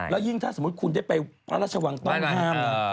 แล้วยิ่งถ้าสมมุติคุณได้ไปพระราชวังต้องห้ามนะ